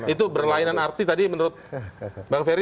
itu berlainan arti tadi menurut bang ferry